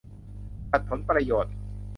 ขัดผลประโยชน์